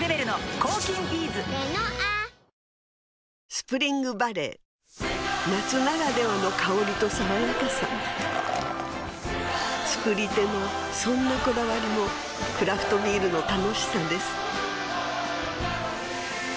スプリングバレー夏ならではの香りと爽やかさ造り手のそんなこだわりもクラフトビールの楽しさです